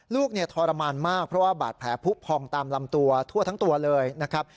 ลูกเนี่ยทรมานมากเพราะว่าบาดแผลผู้พองตามลำตัวทั่วทั้งตัวเลยนะครับ